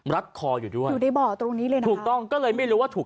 รัดคออยู่ด้วยอยู่ในบ่อตรงนี้เลยนะถูกต้องก็เลยไม่รู้ว่าถูก